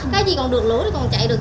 cái gì còn được lỗ thì còn chạy được